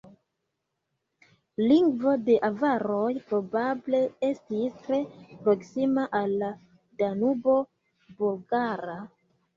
Lingvo de avaroj probable estis tre proksima al la Danubo-Bolgara.